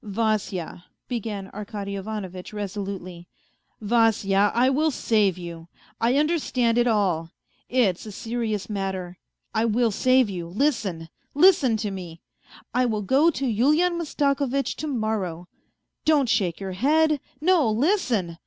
" Vasya," began Arkady Ivanovitch resolutely, " Vasya, I will save you. I understand it all. It's a serious matter; I will save you. Listen ! listen to me : I will go to Yulian Mastako vitch to morrow. ... Don't shake your head ; no, listen